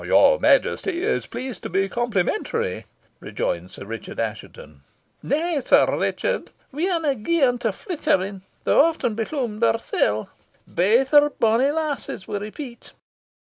"Your Majesty is pleased to be complimentary," rejoined Sir Richard Assheton. "Na, Sir Richard," returned James. "We arena gien to flichtering, though aften beflummed oursel'. Baith are bonnie lassies, we repeat.